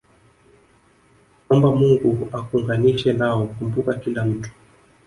omba Mungu akuunganishe nao Kumbuka kila mtu